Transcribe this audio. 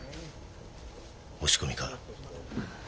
押し込みか？